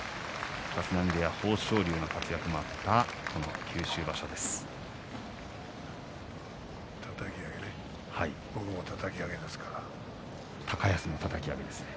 立浪部屋、豊昇龍の活躍もあった立ち合いでね。